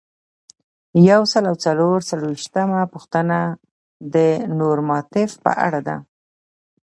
یو سل او څلور څلویښتمه پوښتنه د نورماتیف په اړه ده.